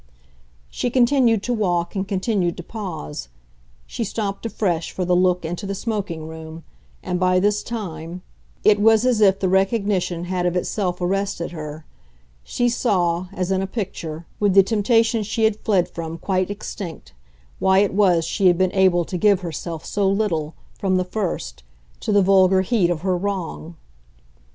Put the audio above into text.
She continued to walk and continued to pause; she stopped afresh for the look into the smoking room, and by this time it was as if the recognition had of itself arrested her she saw as in a picture, with the temptation she had fled from quite extinct, why it was she had been able to give herself so little, from the first, to the vulgar heat of her wrong.